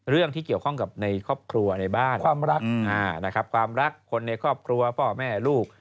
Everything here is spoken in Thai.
เรื่องที่เกี่ยวข้องกับในครอบครัวในบ้านความรักนะครับความรักคนในครอบครัวพ่อแม่ลูก